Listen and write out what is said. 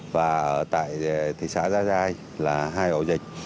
và ở tại thị xã gia rai là hai ổ dịch